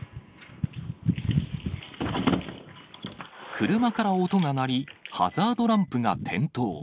車から音が鳴り、ハザードランプが点灯。